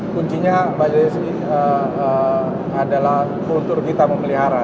kuncinya mbak yosyik adalah kultur kita memelihara